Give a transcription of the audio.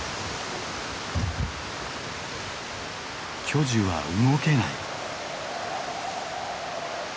巨樹は動けない。